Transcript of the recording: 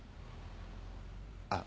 あっ。